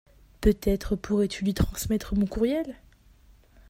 peut-être pourrais-tu lui transmettre mon courriel.